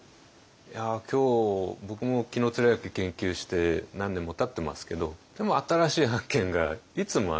今日僕も紀貫之研究して何年もたってますけどでも新しい発見がいつもあるし。